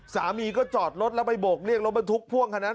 สามีก็จอดรถแล้วไปโบกเรียกรถบรรทุกพ่วงคันนั้น